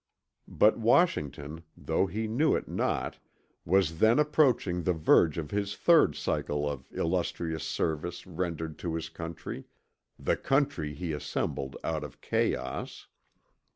But Washington, though he knew it not, was then approaching the verge of his third cycle of illustrious service rendered to his country "the country he assembled out of chaos."